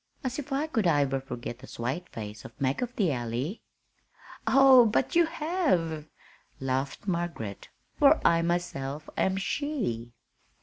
As if I could iver forgit th' swate face of Mag of the Alley!" "Oh, but you have," laughed Margaret, "for I myself am she."